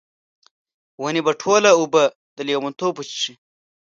ونې به ټوله اوبه، د لیونتوب وچیښي